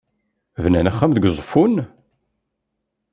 Bnan axxam deg Uzeffun?